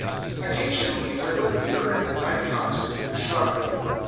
Occasionally there would be heard a night concert in the shrubbery.